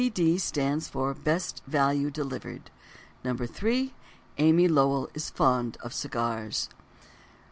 D. stands for "Best Value Delivered." 3. Amy Lowell is fond of cigars.